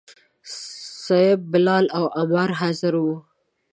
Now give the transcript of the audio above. صیب، بلال او عمار حاضر وو.